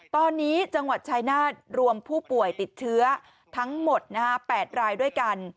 ตอนนี้จังหวัดชายนาฏรวมผู้ป่วยติดเชื้อทั้งหมด๘รายด้วยกัน